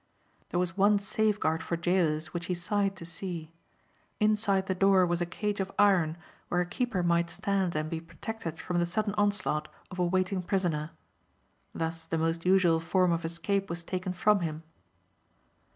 There was one safeguard for gaolers which he sighed to see. Inside the door was a cage of iron where a keeper might stand and be protected from the sudden onslaught of a waiting prisoner. Thus the most usual form of escape was taken from him.